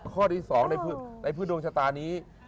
ข้อที่สองในพฤธิวงศ์ชะตานี้